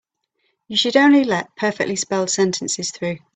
You should only let perfectly spelled sentences through.